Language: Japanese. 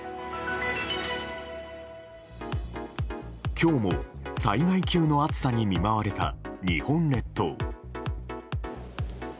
今日も災害級の暑さに見舞われた日本列島。